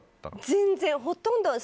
全然、ほとんど。